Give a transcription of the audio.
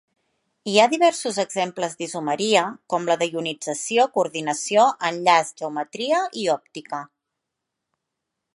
Hi ha diversos exemples d'isomeria com la de ionització, coordinació, enllaç, geometria i òptica.